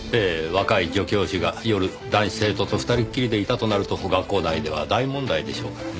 若い女教師が夜男子生徒と２人っきりでいたとなると学校内では大問題でしょうからね。